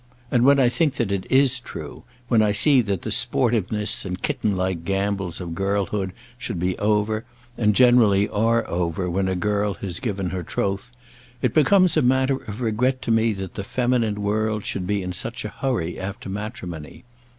And when I think that it is true, when I see that the sportiveness and kitten like gambols of girlhood should be over, and generally are over, when a girl has given her troth, it becomes a matter of regret to me that the feminine world should be in such a hurry after matrimony.